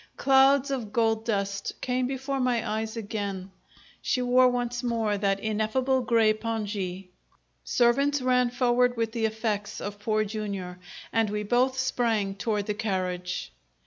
Clouds of gold dust came before my eyes again; she wore once more that ineffable grey pongee! Servants ran forward with the effects of Poor Jr. and we both sprang toward the carriage.